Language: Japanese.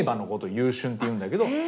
優駿って言うんだけど。